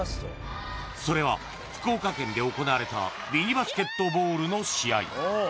それは福岡県で行われたミニバスケットボールの試合